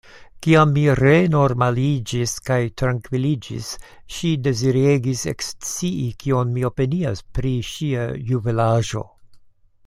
Kiam mi renormaliĝis kaj trankviliĝis, ŝi deziregis ekscii kion mi opinias pri ŝia juvelaĵo.